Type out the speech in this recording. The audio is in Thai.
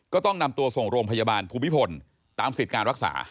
ก็ต้องนำตัวส่งโรงพยาบาลภูมิพลตามสิทธิ์การรักษา